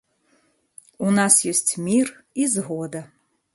У нас ёсць мір і згода.